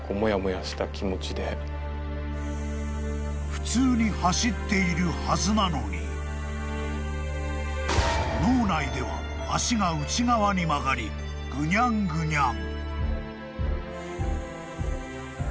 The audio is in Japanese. ［普通に走っているはずなのに脳内では足が内側に曲がりぐにゃんぐにゃん］